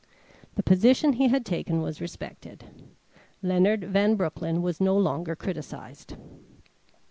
The position he had taken was respected. Leonard Van Broecklyn was no longer criticized.